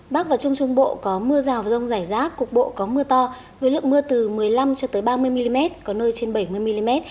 bắc và trung trung bộ có mưa rào và rông rải rác cục bộ có mưa to với lượng mưa từ một mươi năm cho tới ba mươi mm có nơi trên bảy mươi mm